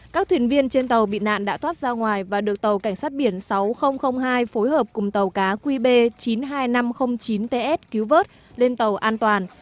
các thuyền viên trên tàu bị nạn đã thoát ra ngoài và được tàu cảnh sát biển sáu nghìn hai phối hợp cùng tàu cá qb chín mươi hai nghìn năm trăm linh chín ts cứu vớt lên tàu an toàn